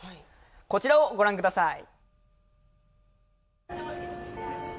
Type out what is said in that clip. こちらをご覧ください。